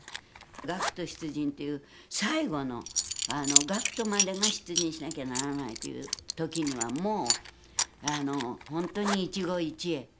学徒出陣という最後の学徒までが出陣しなきゃならないという時にはもう本当に一期一会。